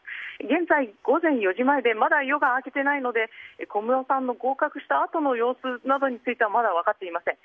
現在、午前４時前でまだ夜が明けていないので小室さんの合格したあとの様子などについてはまだ分かっていません。